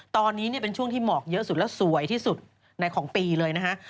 ตอนนี้เป็นช่วงที่หมอกเยอะสุดและสวยที่สุดในของปีเลยนะฮะ